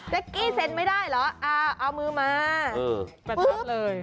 แจ๊กกี้ซั่ดไม่ได้เหรออ่าเอามือมาเออปุ๊บเป็นแล้วเลย